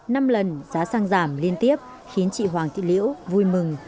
năm lần giá xăng giảm liên tiếp khiến chị hoàng thị liễu vui mừng